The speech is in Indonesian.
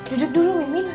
duduk dulu mimin